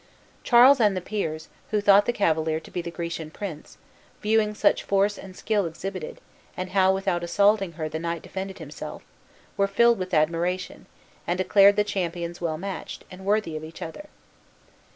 King Charles and the peers, who thought the cavalier to be the Grecian prince, viewing such force and skill exhibited, and how without assaulting her the knight defended himself, were filled with admiration, and declared the champions well matched, and worthy of each other.